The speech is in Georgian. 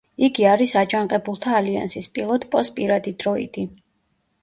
იგი არის აჯანყებულთა ალიანსის პილოტ პოს პირადი დროიდი.